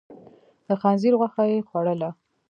د خنزير غوښه يې خوړله؟